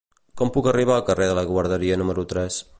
Com puc arribar al carrer de la Guarderia número tres?